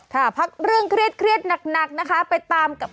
ถ้าพักเรื่องเครียดหนักนะคะ